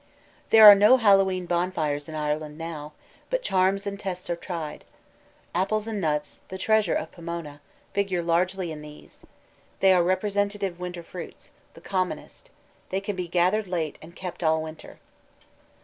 There are no Hallowe'en bonfires in Ireland now, but charms and tests are tried. Apples and nuts, the treasure of Pomona, figure largely in these. They are representative winter fruits, the commonest. They can be gathered late and kept all winter.